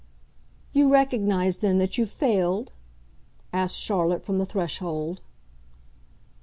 "You recognise then that you've failed?" asked Charlotte from the threshold.